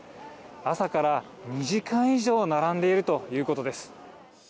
朝から２時間以上並んでいるということです。